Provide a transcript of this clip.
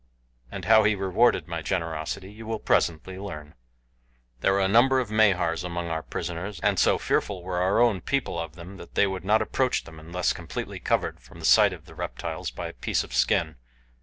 And how he rewarded my generosity you will presently learn. There were a number of Mahars among our prisoners, and so fearful were our own people of them that they would not approach them unless completely covered from the sight of the reptiles by a piece of skin.